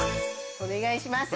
お願いします。